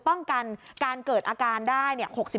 ป้องกันการเกิดอาการได้